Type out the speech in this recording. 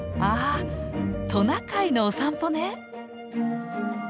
トナカイのお散歩ね！